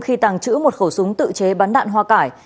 khi tàng trữ một khẩu súng tự chế bắn đạn hoa cải